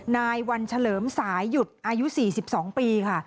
นายวันเฉลิมสายหยุดอายุ๔๒ปีค่ะ